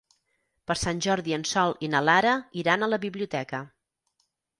Per Sant Jordi en Sol i na Lara iran a la biblioteca.